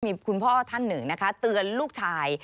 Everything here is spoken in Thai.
มีคุณพ่อท่านหนึ่งนะคะเตือนลูกชาย